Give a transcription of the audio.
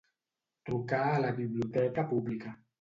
Trucar a la biblioteca pública.